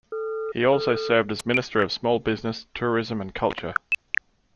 He also served as Minister of Small Business, Tourism and Culture.